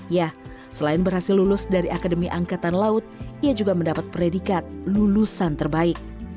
ya selain berhasil lulus dari akademi angkatan laut ia juga mendapat predikat lulusan terbaik